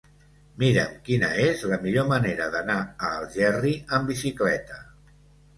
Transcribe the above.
Mira'm quina és la millor manera d'anar a Algerri amb bicicleta.